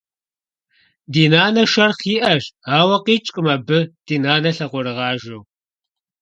Ди нанэ шэрхъ иӏэщ, ауэ къикӏкъым абы, ди нанэ лъакъуэрыгъажэу.